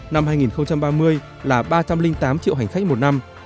năm hai nghìn ba mươi là ba trăm linh tám triệu hành khách một năm